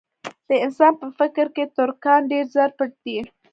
د انسان په فکر کې تر کان ډېر زر پټ دي.